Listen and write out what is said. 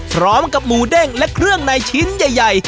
พร้อมกับหมูเด้งและเครื่องในชิ้นใหญ่